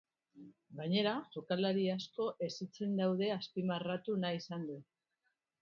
Gainera, jokalari asko hezitzen daude azpimarratu nahi izan du.